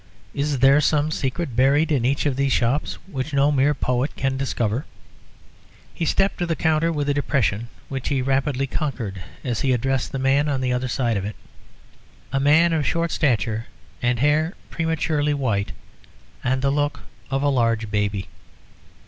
Is there some secret buried in each of these shops which no mere poet can discover?" He stepped to the counter with a depression which he rapidly conquered as he addressed the man on the other side of it, a man of short stature, and hair prematurely white, and the look of a large baby.